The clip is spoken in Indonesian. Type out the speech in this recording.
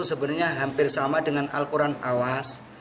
sebenarnya hampir sama dengan al quran awas